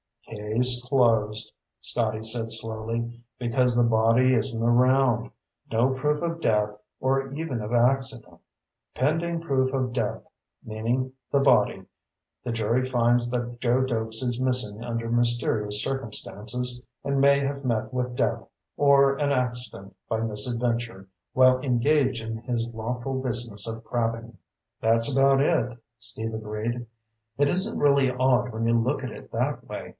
"Case closed," Scotty said slowly, "because the body isn't around. No proof of death, or even of accident. Pending proof of death meaning the body the jury finds that Joe Doakes is missing under mysterious circumstances and may have met with death or an accident by misadventure while engaged in his lawful business of crabbing." "That's about it," Steve agreed. "It isn't really odd when you look at it that way.